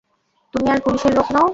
তুমি আর পুলিশের লোক নও।